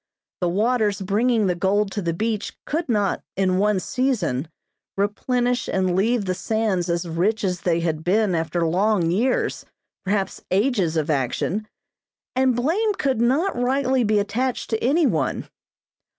The waters bringing the gold to the beach could not, in one season, replenish and leave the sands as rich as they had been after long years, perhaps ages of action, and blame could not rightly be attached to any one.